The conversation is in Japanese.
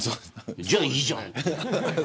じゃあ、いいじゃん。